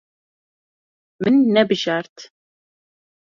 Min nebijart.